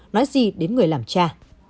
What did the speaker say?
nói gì đến người làm cha